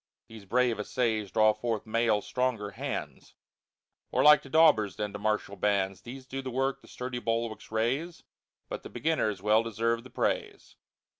These brave essays draw forth male, stronger hands, More like to dawbers than to marshal bands; These do the work, the sturdy bulwarks raise, But the beginners well deserve the praise.